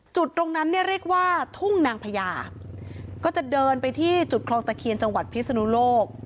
จุดตรงนั้นเนี่ยเรียกว่าทุ่งนางพญาก็จะเดินไปที่จุดคลองตะเคียนจังหวัดพิศนุโลก